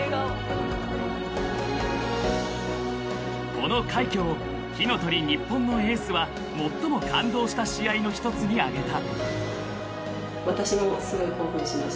［この快挙を火の鳥ＮＩＰＰＯＮのエースは最も感動した試合の１つに挙げた］